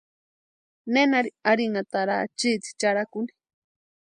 Nenari arhinhataraa chiti charhakuni.